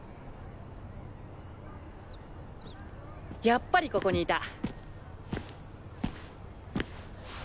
やっぱりここにいた。